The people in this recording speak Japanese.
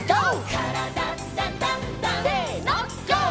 「からだダンダンダン」せのＧＯ！